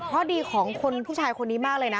เพราะดีของคนผู้ชายคนนี้มากเลยนะ